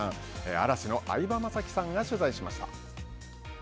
嵐の相葉雅紀さんが取材しました。